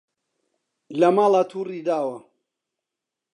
لە ماڵا توڕی داوە